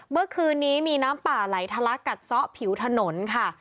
เมื่อคืนนี้มีน้ำป่าไหลทะลักกัดซ้อผิวถนนค่ะ